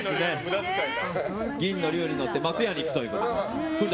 銀の龍に乗って松屋に行くという。